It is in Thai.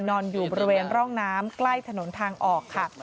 นอนอยู่บริเวณร่องน้ำใกล้ถนนทางออกค่ะ